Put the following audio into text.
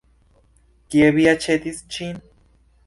Kie vi aĉetis ŝin?